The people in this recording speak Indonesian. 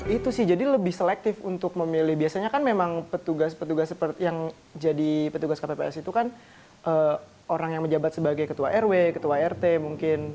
itu sih jadi lebih selektif untuk memilih biasanya kan memang petugas petugas yang jadi petugas kpps itu kan orang yang menjabat sebagai ketua rw ketua rt mungkin